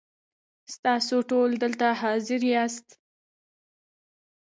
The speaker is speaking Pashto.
ستاسو ټول دلته حاضر یاست .